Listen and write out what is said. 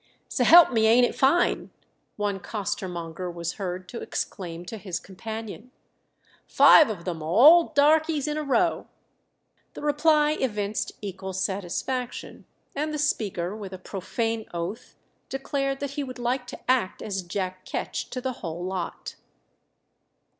"S'help me, ain't it fine?" one costermonger was heard to exclaim to his companion. "Five of them, all darkies in a row!" The reply evinced equal satisfaction, and the speaker, with a profane oath, declared that he would like to act as Jack Ketch to the whole lot.